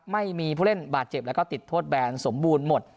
ไม่มีผู้เล่นบาดเจ็บแล้วก็ติดโทษแบนสมบูรณ์หมด